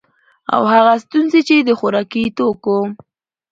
او هغه ستونزي چي د خوراکي توکو